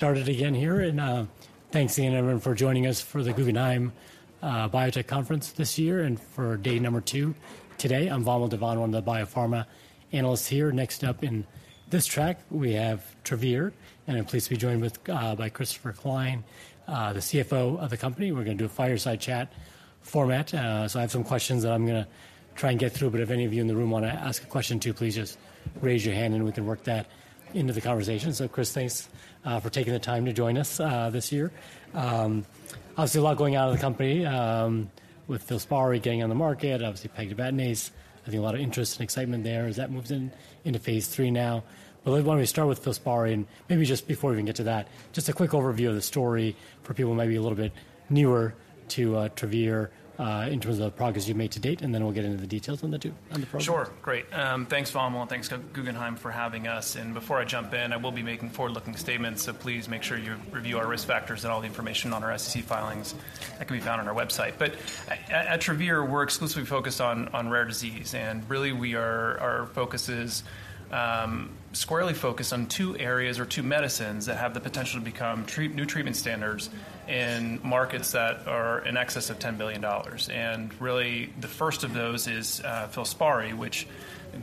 Started again here, and thanks to anyone for joining us for the Guggenheim Biotech Conference this year and for day 2. Today, I'm Vamil Divan, one of the biopharma analysts here. Next up in this track, we have Travere, and I'm pleased to be joined by Christopher Cline, the CFO of the company. We're going to do a fireside chat format, so I have some questions that I'm going to try and get through, but if any of you in the room want to ask a question too, please just raise your hand and we can work that into the conversation. So, Chris, thanks for taking the time to join us this year. Obviously, a lot going on in the company with FILSPARI getting on the market, obviously pegtibatinase. I think a lot of interest and excitement there as that moves into phase 3 now. I want to start with FILSPARI, and maybe just before we even get to that, just a quick overview of the story for people maybe a little bit newer to Travere in terms of the progress you've made to date, and then we'll get into the details on the program. Sure, great. Thanks, Vamil, and thanks, Guggenheim, for having us. And before I jump in, I will be making forward-looking statements, so please make sure you review our risk factors and all the information on our SEC filings that can be found on our website. But at Travere, we're exclusively focused on rare disease, and really our focus is squarely focused on two areas or two medicines that have the potential to become new treatment standards in markets that are in excess of $10 billion. And really the first of those is FILSPARI, which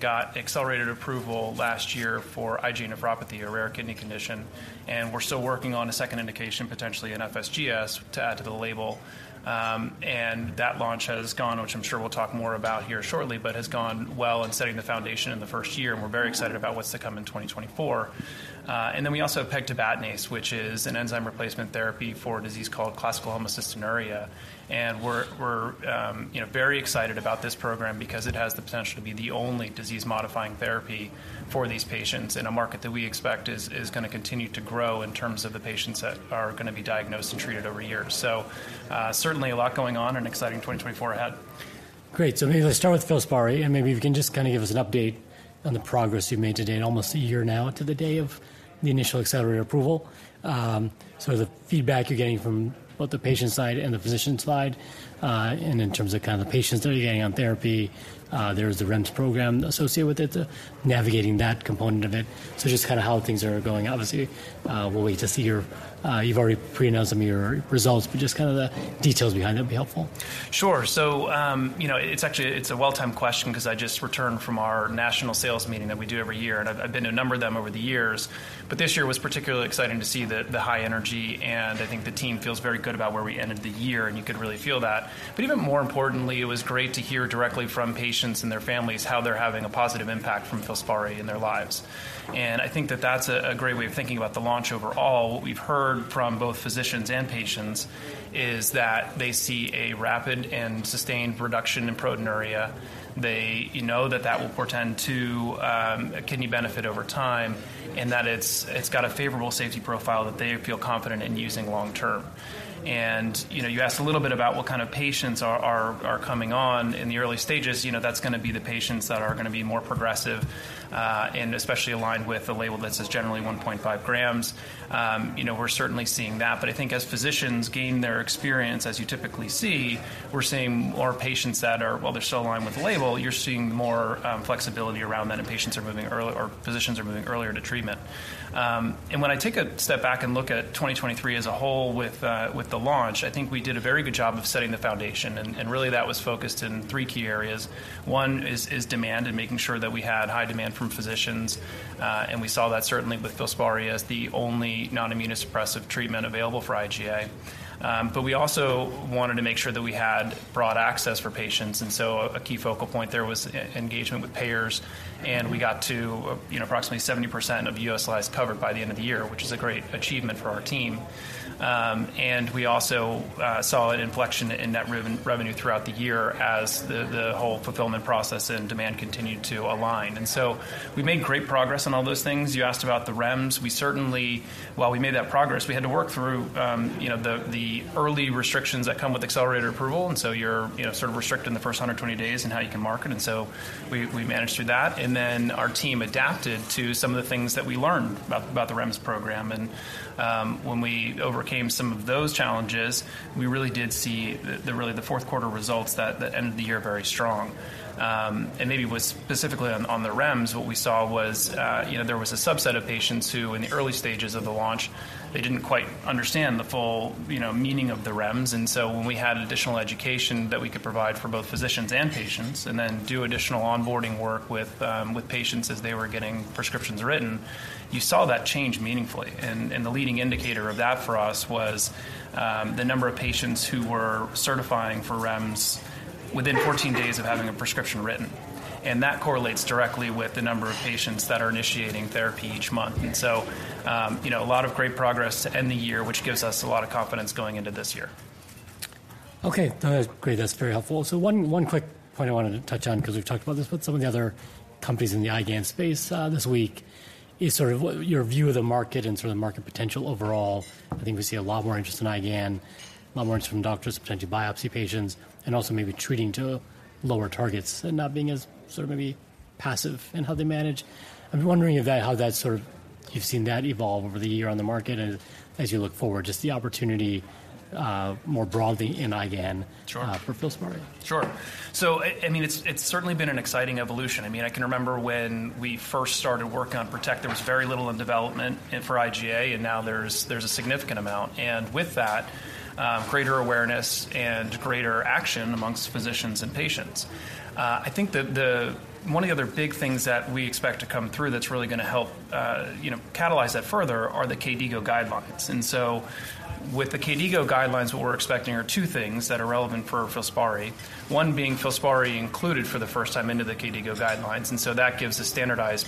got accelerated approval last year for IgA nephropathy, a rare kidney condition, and we're still working on a second indication, potentially an FSGS, to add to the label. And that launch has gone, which I'm sure we'll talk more about here shortly, but has gone well in setting the foundation in the first year, and we're very excited about what's to come in 2024. Then we also have pegtibatinase, which is an enzyme replacement therapy for a disease called classical homocystinuria. We're very excited about this program because it has the potential to be the only disease-modifying therapy for these patients in a market that we expect is going to continue to grow in terms of the patients that are going to be diagnosed and treated over years. Certainly a lot going on and exciting 2024 ahead. Great. So maybe let's start with FILSPARI, and maybe if you can just kind of give us an update on the progress you've made today, almost a year now to the day of the initial accelerated approval. So the feedback you're getting from both the patient side and the physician side, and in terms of kind of the patients that are getting on therapy, there's the REMS program associated with it, navigating that component of it. So just kind of how things are going. Obviously, we'll wait to see. You've already pre-announced some of your results, but just kind of the details behind that would be helpful. Sure. So it's actually it's a well-timed question because I just returned from our national sales meeting that we do every year, and I've been to a number of them over the years. But this year was particularly exciting to see the high energy, and I think the team feels very good about where we ended the year, and you could really feel that. But even more importantly, it was great to hear directly from patients and their families how they're having a positive impact from FILSPARI in their lives. And I think that that's a great way of thinking about the launch overall. What we've heard from both physicians and patients is that they see a rapid and sustained reduction in proteinuria. They know that that will portend to a kidney benefit over time and that it's got a favorable safety profile that they feel confident in using long term. You asked a little bit about what kind of patients are coming on in the early stages. That's going to be the patients that are going to be more progressive and especially aligned with the label that says generally 1.5 grams. We're certainly seeing that. I think as physicians gain their experience, as you typically see, we're seeing more patients that are while they're still aligned with the label, you're seeing more flexibility around that and patients are moving early or physicians are moving earlier to treatment. When I take a step back and look at 2023 as a whole with the launch, I think we did a very good job of setting the foundation, and really that was focused in three key areas. One is demand and making sure that we had high demand from physicians, and we saw that certainly with FILSPARI as the only non-immunosuppressive treatment available for IgA. But we also wanted to make sure that we had broad access for patients. And so a key focal point there was engagement with payers, and we got to approximately 70% of U.S. lives covered by the end of the year, which is a great achievement for our team. And we also saw an inflection in net revenue throughout the year as the whole fulfillment process and demand continued to align. And so we made great progress on all those things. You asked about the REMS. We certainly, while we made that progress, we had to work through the early restrictions that come with accelerated approval. So you're sort of restricted in the first 120 days in how you can market. So we managed through that. Then our team adapted to some of the things that we learned about the REMS program. And when we overcame some of those challenges, we really did see the really the fourth quarter results that ended the year very strong. And maybe specifically on the REMS, what we saw was there was a subset of patients who in the early stages of the launch, they didn't quite understand the full meaning of the REMS. When we had additional education that we could provide for both physicians and patients and then do additional onboarding work with patients as they were getting prescriptions written, you saw that change meaningfully. The leading indicator of that for us was the number of patients who were certifying for REMS within 14 days of having a prescription written. That correlates directly with the number of patients that are initiating therapy each month. A lot of great progress to end the year, which gives us a lot of confidence going into this year. Okay, great. That's very helpful. So one quick point I wanted to touch on because we've talked about this, but some of the other companies in the IgAN space this week is sort of your view of the market and sort of the market potential overall. I think we see a lot more interest in IgAN, a lot more interest from doctors, potentially biopsy patients, and also maybe treating to lower targets and not being as sort of maybe passive in how they manage. I'm wondering about how that sort of you've seen that evolve over the year on the market and as you look forward, just the opportunity more broadly in IgAN for FILSPARI. Sure. Sure. So I mean, it's certainly been an exciting evolution. I mean, I can remember when we first started working on PROTECT, there was very little in development for IgA, and now there's a significant amount. And with that, greater awareness and greater action among physicians and patients. I think that one of the other big things that we expect to come through that's really going to help catalyze that further are the KDIGO guidelines. And so with the KDIGO guidelines, what we're expecting are two things that are relevant for FILSPARI, one being FILSPARI included for the first time into the KDIGO guidelines. And so that gives a standardized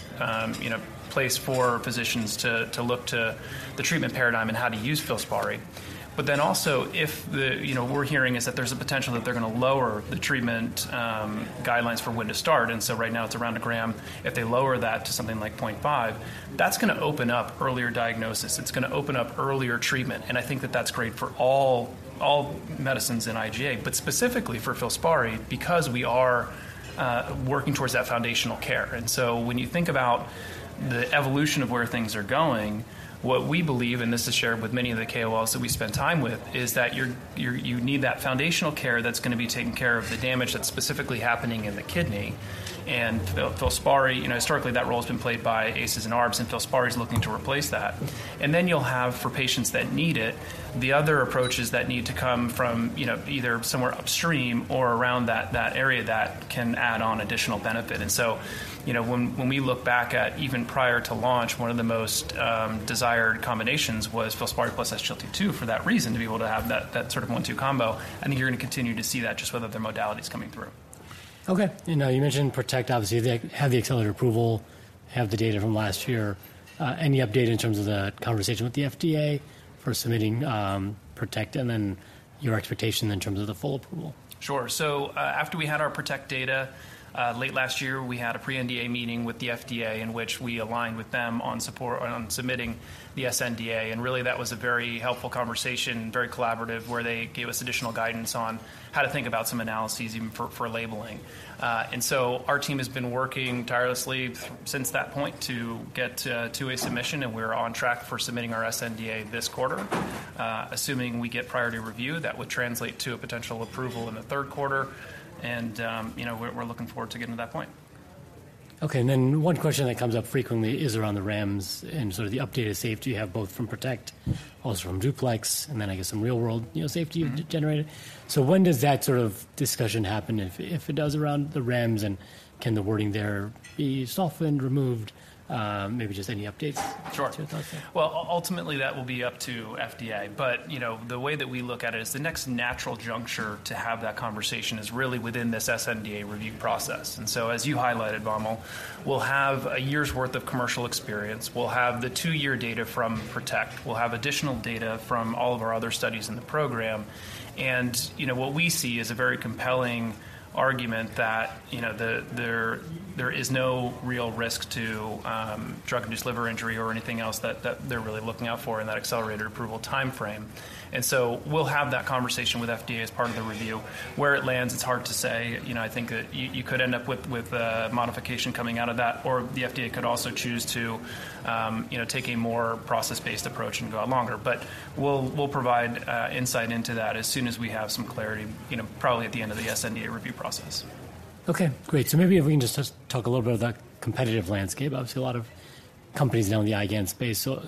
place for physicians to look to the treatment paradigm and how to use FILSPARI. But then also if what we're hearing is that there's a potential that they're going to lower the treatment guidelines for when to start. And so right now it's around 1 gram. If they lower that to something like 0.5, that's going to open up earlier diagnosis. It's going to open up earlier treatment. And I think that that's great for all medicines in IgA, but specifically for FILSPARI because we are working towards that foundational care. And so when you think about the evolution of where things are going, what we believe, and this is shared with many of the KOLs that we spend time with, is that you need that foundational care that's going to be taking care of the damage that's specifically happening in the kidney. FILSPARI, historically, that role has been played by ACEs and ARBs, and FILSPARI is looking to replace that. Then you'll have for patients that need it, the other approaches that need to come from either somewhere upstream or around that area that can add on additional benefit. So when we look back at even prior to launch, one of the most desired combinations was FILSPARI plus SGLT2 for that reason, to be able to have that sort of one-two combo. I think you're going to continue to see that just whether their modality is coming through. Okay. You mentioned PROTECT, obviously have the accelerated approval, have the data from last year. Any update in terms of the conversation with the FDA for submitting PROTECT and then your expectation in terms of the full approval? Sure. So after we had our PROTECT data late last year, we had a pre-NDA meeting with the FDA in which we aligned with them on support on submitting the sNDA. And really that was a very helpful conversation, very collaborative, where they gave us additional guidance on how to think about some analyses even for labeling. And so our team has been working tirelessly since that point to get to a submission, and we're on track for submitting our sNDA this quarter, assuming we get priority review. That would translate to a potential approval in the third quarter, and we're looking forward to getting to that point. Okay. Then one question that comes up frequently is around the REMS and sort of the updated safety you have both from PROTECT, also from DUPLEX, and then I guess some real-world safety you've generated. So when does that sort of discussion happen if it does around the REMS, and can the wording there be softened, removed, maybe just any updates to your thoughts there? Sure. Well, ultimately that will be up to FDA. But the way that we look at it is the next natural juncture to have that conversation is really within this sNDA review process. And so as you highlighted, Vamil, we'll have a year's worth of commercial experience. We'll have the two-year data from PROTECT. We'll have additional data from all of our other studies in the program. And what we see is a very compelling argument that there is no real risk to drug-induced liver injury or anything else that they're really looking out for in that accelerated approval time frame. And so we'll have that conversation with FDA as part of the review. Where it lands, it's hard to say. I think that you could end up with a modification coming out of that, or the FDA could also choose to take a more process-based approach and go out longer. But we'll provide insight into that as soon as we have some clarity, probably at the end of the sNDA review process. Okay, great. So maybe if we can just talk a little bit about that competitive landscape. Obviously, a lot of companies now in the IgAN space, so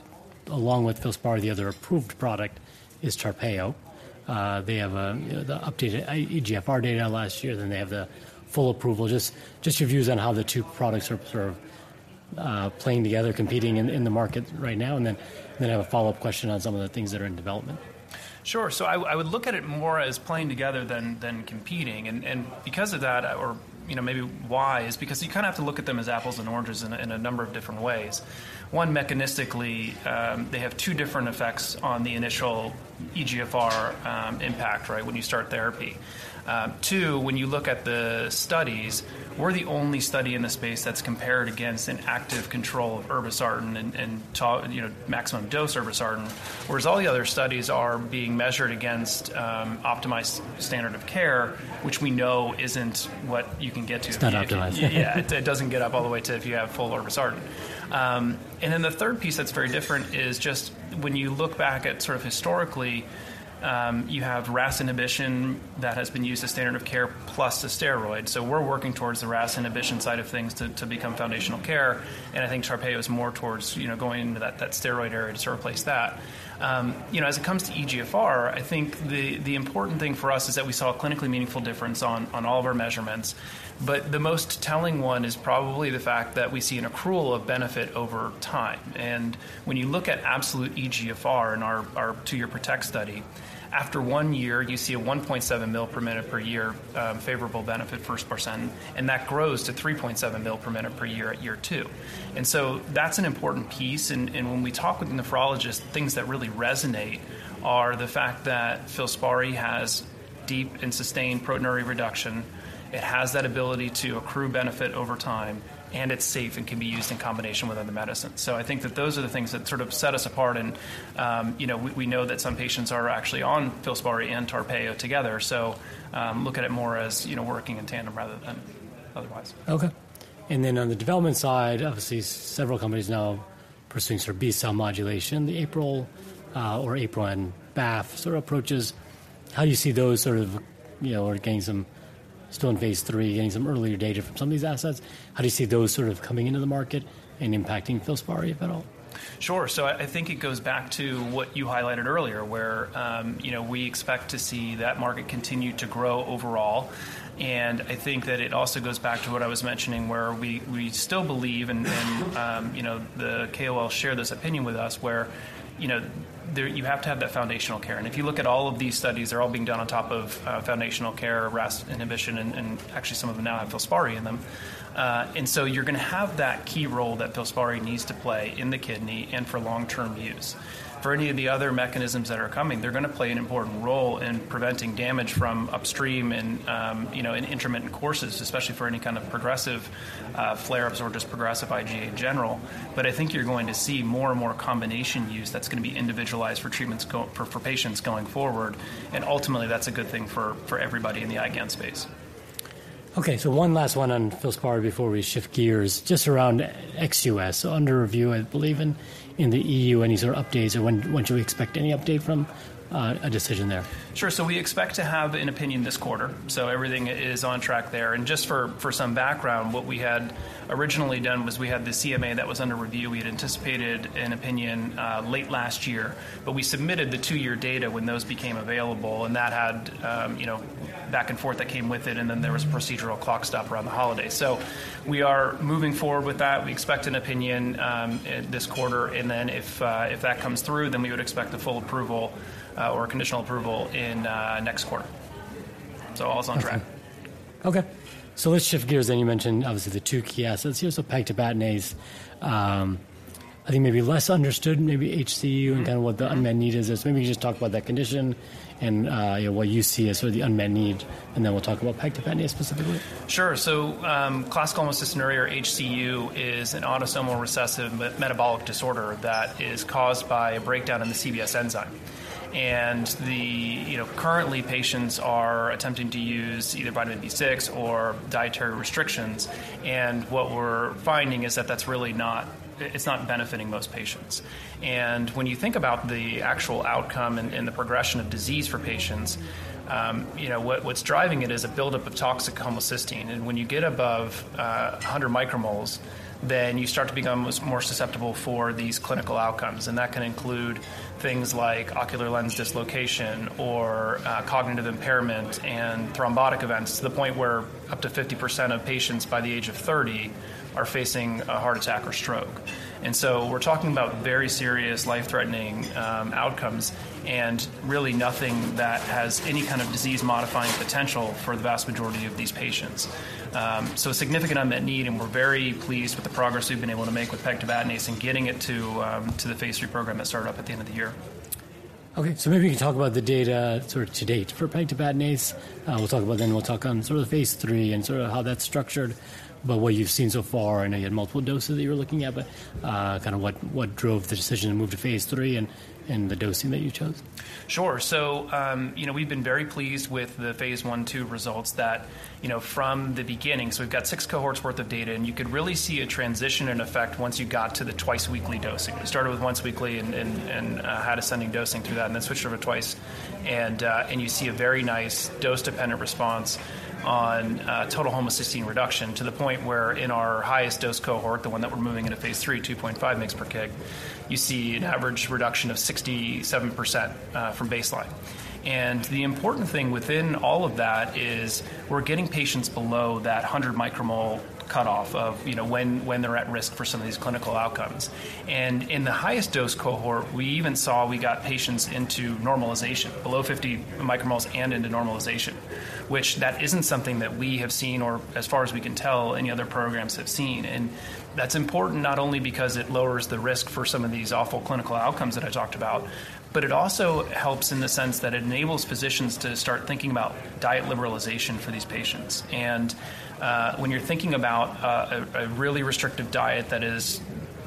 along with FILSPARI, the other approved product is TARPEYO. They have the updated eGFR data last year, then they have the full approval. Just your views on how the two products are sort of playing together, competing in the market right now, and then have a follow-up question on some of the things that are in development. Sure. So I would look at it more as playing together than competing. And because of that, or maybe why is because you kind of have to look at them as apples and oranges in a number of different ways. One, mechanistically, they have two different effects on the initial eGFR impact, right, when you start therapy. Two, when you look at the studies, we're the only study in the space that's compared against an active control of irbesartan and maximum dose irbesartan, whereas all the other studies are being measured against optimized standard of care, which we know isn't what you can get to. It's not optimized. Yeah, it doesn't get up all the way to if you have full irbesartan. And then the third piece that's very different is just when you look back at sort of historically, you have RAS inhibition that has been used as standard of care plus a steroid. So we're working towards the RAS inhibition side of things to become foundational care. And I think TARPEYO is more towards going into that steroid area to sort of replace that. As it comes to eGFR, I think the important thing for us is that we saw a clinically meaningful difference on all of our measurements. But the most telling one is probably the fact that we see an accrual of benefit over time. And when you look at absolute eGFR in our two-year PROTECT Study, after one year, you see a 1.7 mL/min per year favorable benefit versus irbesartan, and that grows to 3.7 mL/min per year at year two. And so that's an important piece. And when we talk with nephrologists, things that really resonate are the fact that FILSPARI has deep and sustained proteinuria reduction. It has that ability to accrue benefit over time, and it's safe and can be used in combination with other medicines. So I think that those are the things that sort of set us apart. And we know that some patients are actually on FILSPARI and TARPEYO together. So look at it more as working in tandem rather than otherwise. Okay. And then on the development side, obviously several companies now pursuing sort of B-cell modulation, the APRIL or APRIL and BAFF sort of approaches. How do you see those sort of getting some still in phase 3, getting some earlier data from some of these assets? How do you see those sort of coming into the market and impacting FILSPARI, if at all? Sure. So I think it goes back to what you highlighted earlier, where we expect to see that market continue to grow overall. And I think that it also goes back to what I was mentioning, where we still believe, and the KOLs share this opinion with us, where you have to have that foundational care. And if you look at all of these studies, they're all being done on top of foundational care, RAS inhibition, and actually some of them now have FILSPARI in them. And so you're going to have that key role that FILSPARI needs to play in the kidney and for long-term use. For any of the other mechanisms that are coming, they're going to play an important role in preventing damage from upstream and in intermittent courses, especially for any kind of progressive flare-ups or just progressive IgA in general. But I think you're going to see more and more combination use that's going to be individualized for treatments for patients going forward. Ultimately, that's a good thing for everybody in the IgAN space. Okay. So one last one on FILSPARI before we shift gears, just around ex-US under review, I believe, in the EU, any sort of updates, or what should we expect any update from a decision there? Sure. So we expect to have an opinion this quarter. So everything is on track there. And just for some background, what we had originally done was we had the CMA that was under review. We had anticipated an opinion late last year, but we submitted the two-year data when those became available, and that had back and forth that came with it. And then there was a procedural clock stop around the holidays. So we are moving forward with that. We expect an opinion this quarter. And then if that comes through, then we would expect the full approval or conditional approval in next quarter. So all is on track. Okay. So let's shift gears. You mentioned, obviously, the two key assets. You also pegtibatinase, I think maybe less understood, maybe HCU and kind of what the unmet need is. Maybe you can just talk about that condition and what you see as sort of the unmet need, and then we'll talk about pegtibatinase specifically. Sure. So classical homocystinuria, or HCU, is an autosomal recessive metabolic disorder that is caused by a breakdown in the CBS enzyme. Currently, patients are attempting to use either vitamin B6 or dietary restrictions. And what we're finding is that that's really not benefiting most patients. When you think about the actual outcome and the progression of disease for patients, what's driving it is a buildup of toxic homocysteine. And when you get above 100 micromoles, then you start to become more susceptible for these clinical outcomes. That can include things like ocular lens dislocation or cognitive impairment and thrombotic events to the point where up to 50% of patients by the age of 30 are facing a heart attack or stroke. And so we're talking about very serious, life-threatening outcomes and really nothing that has any kind of disease-modifying potential for the vast majority of these patients. So significant unmet need, and we're very pleased with the progress we've been able to make with pegtibatinase and getting it to the phase 3 program that started up at the end of the year. Okay. So maybe we can talk about the data sort of to date for pegtibatinase. We'll talk about then we'll talk on sort of the phase 3 and sort of how that's structured, but what you've seen so far. I know you had multiple doses that you were looking at, but kind of what drove the decision to move to phase 3 and the dosing that you chose? Sure. So we've been very pleased with the phase 1/2 results that from the beginning, so we've got 6 cohorts' worth of data, and you could really see a transition in effect once you got to the twice-weekly dosing. We started with once-weekly and had ascending dosing through that, and then switched over twice. And you see a very nice dose-dependent response on total homocysteine reduction to the point where in our highest dose cohort, the one that we're moving into phase 3, 2.5 mg/kg, you see an average reduction of 67% from baseline. And the important thing within all of that is we're getting patients below that 100 micromole cutoff of when they're at risk for some of these clinical outcomes. In the highest dose cohort, we even saw we got patients into normalization, below 50 micromoles and into normalization, which that isn't something that we have seen or as far as we can tell, any other programs have seen. That's important not only because it lowers the risk for some of these awful clinical outcomes that I talked about, but it also helps in the sense that it enables physicians to start thinking about diet liberalization for these patients. When you're thinking about a really restrictive diet that is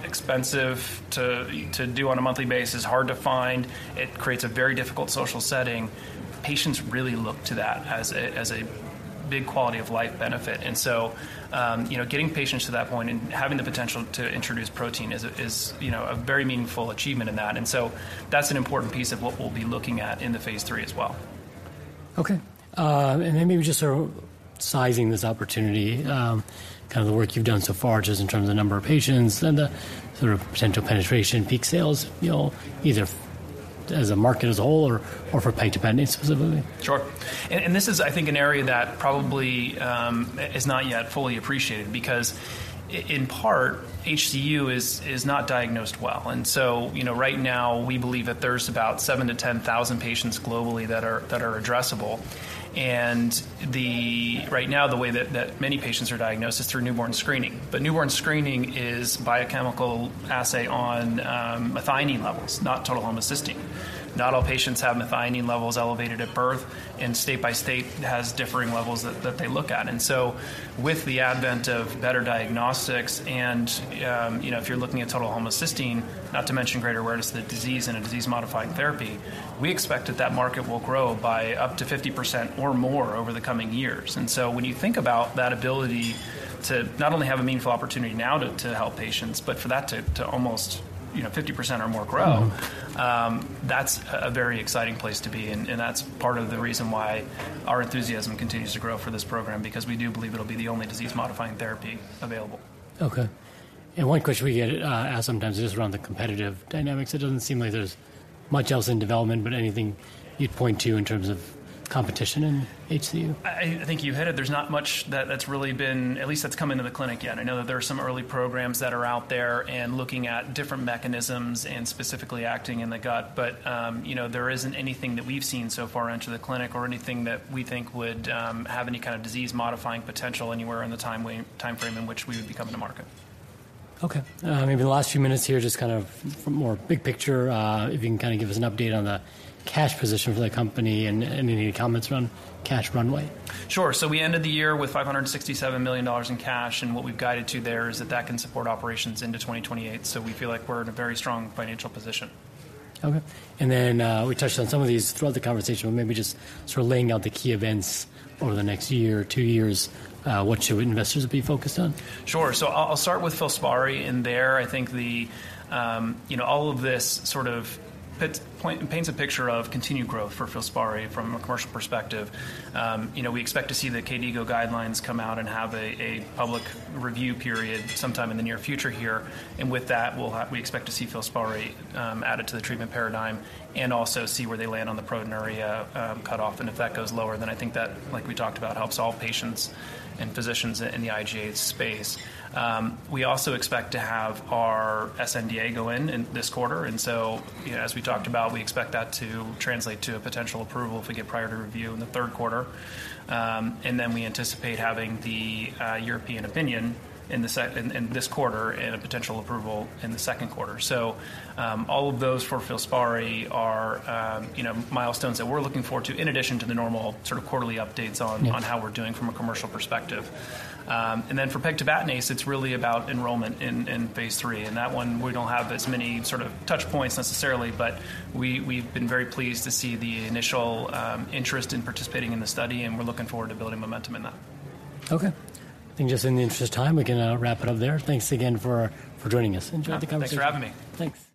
expensive to do on a monthly basis, hard to find, it creates a very difficult social setting. Patients really look to that as a big quality of life benefit. Getting patients to that point and having the potential to introduce protein is a very meaningful achievement in that. So that's an important piece of what we'll be looking at in the phase 3 as well. Okay. And then maybe just sort of sizing this opportunity, kind of the work you've done so far just in terms of the number of patients and the sort of potential penetration, peak sales, either as a market as a whole or for pegtibatinase specifically? Sure. And this is, I think, an area that probably is not yet fully appreciated because in part, HCU is not diagnosed well. And so right now we believe that there's about 7-10,000 patients globally that are addressable. And right now, the way that many patients are diagnosed is through newborn screening. But newborn screening is biochemical assay on methionine levels, not total homocysteine. Not all patients have methionine levels elevated at birth, and state by state has differing levels that they look at. And so with the advent of better diagnostics, and if you're looking at total homocysteine, not to mention greater awareness of the disease and a disease-modifying therapy, we expect that that market will grow by up to 50% or more over the coming years. So when you think about that ability to not only have a meaningful opportunity now to help patients, but for that to almost 50% or more grow, that's a very exciting place to be. That's part of the reason why our enthusiasm continues to grow for this program because we do believe it'll be the only disease-modifying therapy available. Okay. One question we get asked sometimes is just around the competitive dynamics. It doesn't seem like there's much else in development, but anything you'd point to in terms of competition in HCU? I think you hit it. There's not much that's really been at least that's come into the clinic yet. I know that there are some early programs that are out there and looking at different mechanisms and specifically acting in the gut, but there isn't anything that we've seen so far enter the clinic or anything that we think would have any kind of disease-modifying potential anywhere in the time frame in which we would become in the market. Okay. Maybe the last few minutes here, just kind of more big picture, if you can kind of give us an update on the cash position for the company and any comments around cash runway? Sure. We ended the year with $567 million in cash, and what we've guided to there is that that can support operations into 2028. We feel like we're in a very strong financial position. Okay. And then we touched on some of these throughout the conversation, but maybe just sort of laying out the key events over the next year, two years, what should investors be focused on? Sure. So I'll start with FILSPARI in there. I think all of this sort of paints a picture of continued growth for FILSPARI from a commercial perspective. We expect to see the KDIGO guidelines come out and have a public review period sometime in the near future here. And with that, we expect to see FILSPARI added to the treatment paradigm and also see where they land on the proteinuria cutoff. And if that goes lower, then I think that, like we talked about, helps all patients and physicians in the IgA space. We also expect to have our sNDA go in this quarter. And so as we talked about, we expect that to translate to a potential approval if we get priority review in the third quarter. And then we anticipate having the European opinion in this quarter and a potential approval in the second quarter. All of those for FILSPARI are milestones that we're looking forward to in addition to the normal sort of quarterly updates on how we're doing from a commercial perspective. Then for pegtibatinase, it's really about enrollment in phase 3. That one, we don't have as many sort of touchpoints necessarily, but we've been very pleased to see the initial interest in participating in the study, and we're looking forward to building momentum in that. Okay. I think just in the interest of time, we can wrap it up there. Thanks again for joining us. Enjoyed the conversation. Thanks for having me. Thanks.